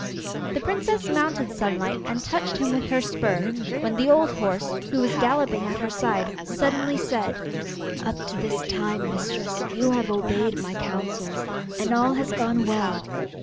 The princess mounted Sunlight, and touched him with her spur, when the old horse, who was galloping at her side, suddenly said: 'Up to this time, mistress, you have obeyed my counsels and all has gone well.